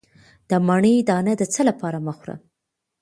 د مڼې دانه د څه لپاره مه خورم؟